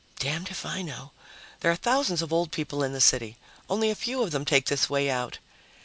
"Damned if I know. There are thousands of old people in the city. Only a few of them take this way out.